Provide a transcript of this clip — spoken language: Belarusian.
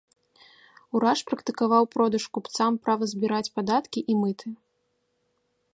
Ураш практыкаваў продаж купцам права збіраць падаткі і мыты.